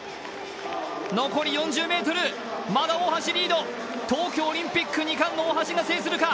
残り４０ｍ、まだ大橋リード、東京オリンピック２冠の大橋が制するか。